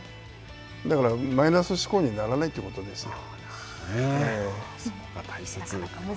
だから、マイナス思考にならないということですよ。